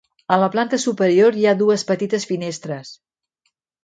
A la planta superior hi ha dues petites finestres.